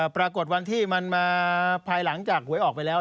ปรากฏวันที่มันมาภายหลังจากหวยออกไปแล้ว